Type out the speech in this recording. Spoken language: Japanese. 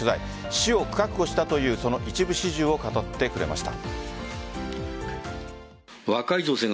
死を覚悟したというその一部始終を語ってくれました。